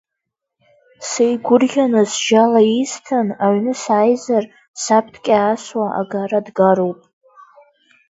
Сеигәырӷьаны сжьа лаисҭан, аҩны сааизар, саб дкьаасуа агара дгароуп.